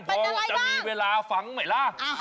พอจะมีเวลาฟังไหมล่ะ